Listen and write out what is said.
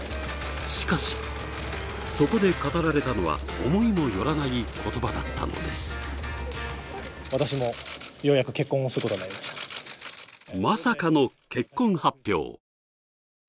しかしそこで語られたのは思いもよらない言葉だったのですまさかの結婚発表